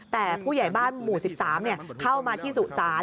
แต่ผู้ใหญ่บ้านหมู่สิบสามเนี่ยเข้ามาที่สุสาน